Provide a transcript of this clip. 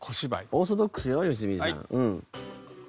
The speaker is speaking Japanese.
オーソドックスよ良純さん。